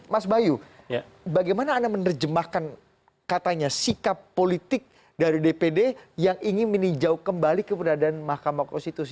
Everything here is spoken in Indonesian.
mas bayu bagaimana anda menerjemahkan katanya sikap politik dari dpd yang ingin meninjau kembali keberadaan mahkamah konstitusi